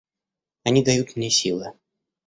Они дают мне силы.